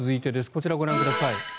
こちらをご覧ください。